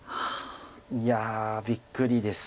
いやびっくりです。